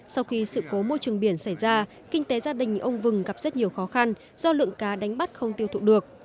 sau khi sự cố môi trường biển xảy ra kinh tế gia đình ông vừng gặp rất nhiều khó khăn do lượng cá đánh bắt không tiêu thụ được